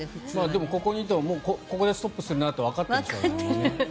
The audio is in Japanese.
でも、ここにいたらここでストップするなってわかってる。